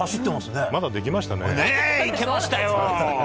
ねえ、いけましたよ！